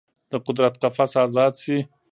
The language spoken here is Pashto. د قدرت قفس ازاد شي